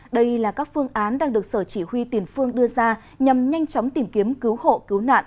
đây là các phương án đang được sở chỉ huy tiền phương đưa ra nhằm nhanh chóng tìm kiếm cứu hộ cứu nạn